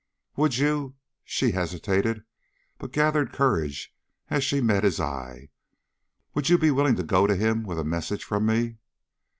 "Would you " she hesitated, but gathered courage as she met his eye "would you be willing to go to him with a message from me?"